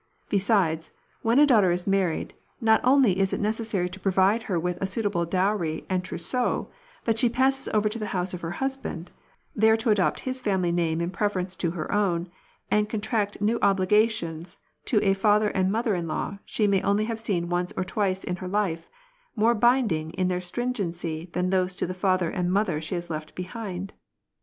Besides, when a daughter is married, not only is it necessary to provide her with a suitable dowry and trousseau, but she passes over to the house of her husband, there to adopt his family name in preference to her own, and contract new obligations to a father and mother in law she may only have seen once or twice in her life, more binding in their stringency than those to the father and mother she has left behind.